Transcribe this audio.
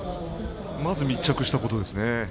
まず密着したところですね。